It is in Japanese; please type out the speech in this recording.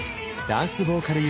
ダンスボーカル